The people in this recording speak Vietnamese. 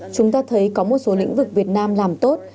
chúng ta thấy có một số lĩnh vực việt nam làm tốt